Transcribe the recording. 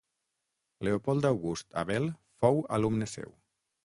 Leopold August Abel fou alumne seu.